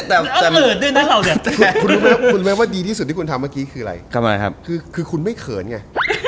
แต่คุณรู้ไหมว่าดีที่สุดที่คุณทำเมื่อกี้คือไงคือคุณไม่เขินไง